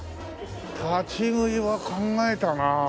立ち食いは考えたなあ。